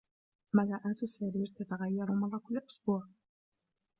ملاءات السرير تتغير مرة كل أسبوع.